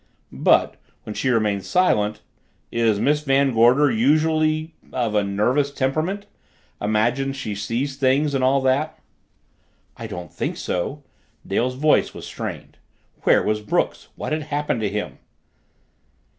But when she remained silent, "Is Miss Van Gorder usually of a nervous temperament? Imagines she sees things, and all that?" "I don't think so." Dale's voice was strained. Where was Brooks? What had happened to him?